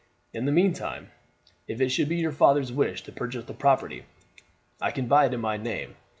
In the meantime, if it should be your father's wish to purchase the property, I can buy it in my name.